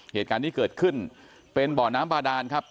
เหตุการณ์ที่เกิดขึ้นเป็นบ่อน้ำบาดานครับ